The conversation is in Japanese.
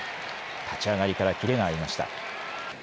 立ち上がりから切れがありました。